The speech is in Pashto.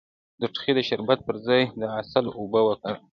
د ټوخي د شربت پر ځای د عسل اوبه وکاروئ